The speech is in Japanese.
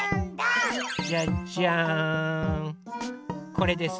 これです。